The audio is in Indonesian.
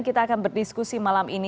kita akan berdiskusi malam ini